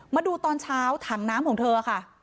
มาดูตอนเช้าถังน้ำของเธอค่ะ